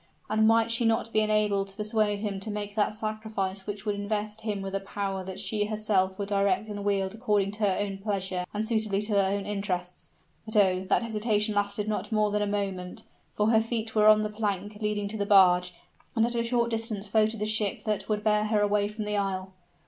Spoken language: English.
And might she not be enabled to persuade him to make that sacrifice which would invest him with a power that she herself would direct and wield according to her own pleasure and suitably to her own interests? But, oh! that hesitation lasted not more than a moment; for her feet were on the plank leading to the barge, and at a short distance floated the ship that would bear her away from the isle.